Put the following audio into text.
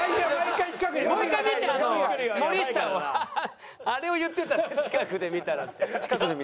もう一回見て森下を。あれを言ってたのよ近くで見たらって。